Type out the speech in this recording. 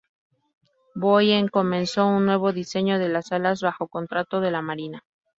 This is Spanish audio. Boeing comenzó un nuevo diseño de las alas bajo contrato de la marina.